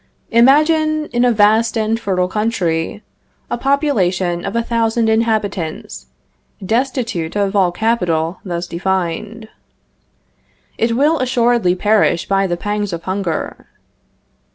Imagine, in a vast and fertile country, a population of a thousand inhabitants, destitute of all capital thus defined. It will assuredly perish by the pangs of hunger.